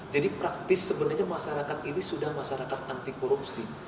jadi praktis sebenarnya masyarakat ini sudah masyarakat anti korupsi